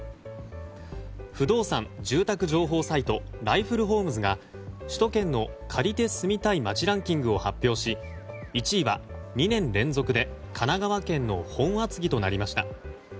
不動産・住宅情報サイトライフルホームズが首都圏の借りて住みたい街ランキングを発表し１位は２年連続で神奈川県の本厚木となりました。